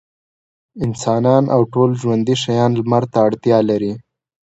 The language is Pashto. انسانان او ټول ژوندي شيان لمر ته اړتيا لري.